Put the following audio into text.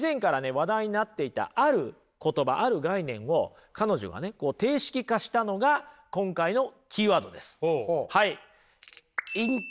話題になっていたある言葉ある概念を彼女がね定式化したのが今回のキーワードです。